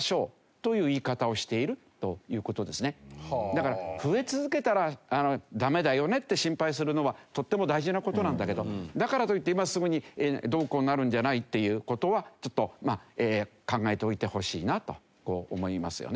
だから増え続けたらダメだよねって心配するのはとっても大事な事なんだけどだからといって今すぐにどうこうなるんじゃないっていう事はちょっとまあ考えておいてほしいなと思いますよね。